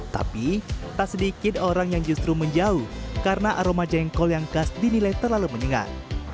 tapi tak sedikit orang yang justru menjauh karena aroma jengkol yang khas dinilai terlalu menyengat